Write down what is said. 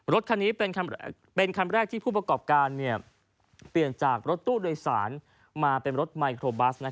รถคันนี้เป็นคันแรกที่ผู้ประกอบการเปลี่ยนจากรถตู้โดยสารมาเป็นรถไมโครบัส